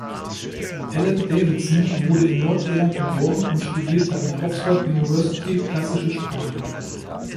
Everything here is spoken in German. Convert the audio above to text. Alan Davidson wurde in Nordirland geboren und studierte an der Oxford University klassische Sprachen.